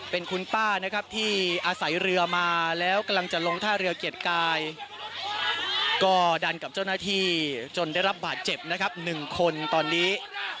เป็นคุณป้านะครับที่อาศัยเรือมาแล้วกำลังจะลงท่าเรือเกียรติกายก็ดันกับเจ้าหน้าที่จนได้รับบาดเจ็บนะครับ๑คนตอนนี้